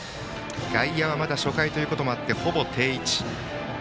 外野、まだ初回ということもありほぼ定位置。